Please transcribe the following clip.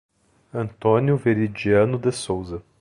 Antônio Veridiano de Souza